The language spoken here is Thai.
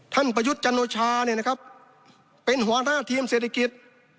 ประยุทธ์จันโอชาเนี่ยนะครับเป็นหัวหน้าทีมเศรษฐกิจ